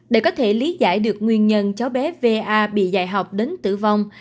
để có thể lý giải được nguyên nhân cháu bé va bị dạy học đến tử vong